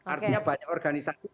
artinya banyak organisasi